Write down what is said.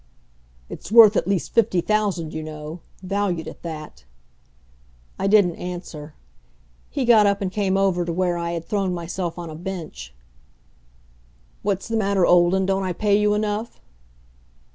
"It's worth at least fifty thousand, you know valued at that." I didn't answer. He got up and came over to where I had thrown myself on a bench. "What's the matter, Olden? Don't I pay you enough?"